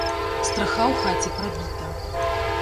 Страха ў хаце прабіта.